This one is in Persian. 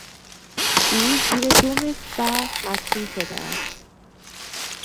او زیر دو متر برف مدفون شده است.